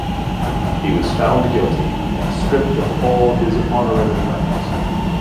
He was found guilty and stripped of all of his honorary titles.